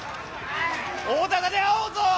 大高で会おうぞ！